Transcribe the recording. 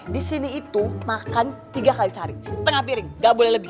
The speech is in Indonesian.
disini itu makan tiga kali sehari setengah piring gak boleh lebih